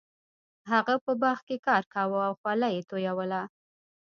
هغه په باغ کې کار کاوه او خوله یې تویوله.